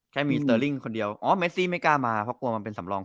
แค่มีเกรียวอ้อเมซิไม่กล้ามาเพราะกว่ามันเป็นสำรอง